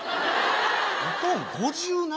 おとん５７？